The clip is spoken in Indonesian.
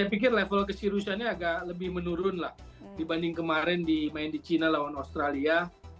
saya pikir level keseriusannya agak lebih menurun lah dibanding kemarin di china lawan australia